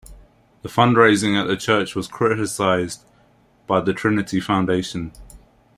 The fundraising at the church was criticized by the Trinity Foundation.